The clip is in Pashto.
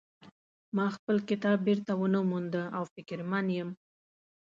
ما خپل کتاب بیرته ونه مونده او فکرمن یم